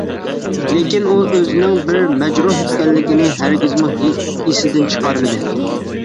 لېكىن، ئۇ ئۆزىنىڭ بىر مەجرۇھ ئىكەنلىكىنى ھەرگىزمۇ ئېسىدىن چىقارمىدى.